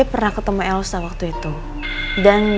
nanti aku ketemu sama dia